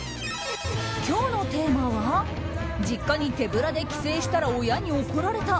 今日のテーマは実家に手ぶらで帰省したら親に怒られた。